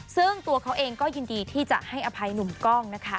ซึ่งตัวเขาเองก็ยินดีที่จะให้อภัยหนุ่มกล้องนะคะ